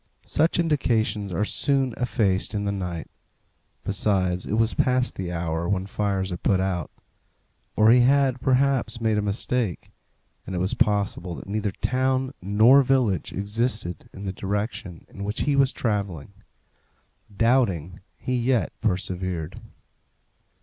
Such indications are soon effaced in the night; besides, it was past the hour when fires are put out. Or he had, perhaps, made a mistake, and it was possible that neither town nor village existed in the direction in which he was travelling. Doubting, he yet persevered.